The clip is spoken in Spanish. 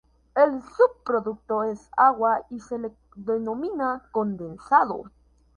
El subproducto es agua y se le denomina condensado.